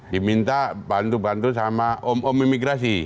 diminta bantu bantu sama om imigrasi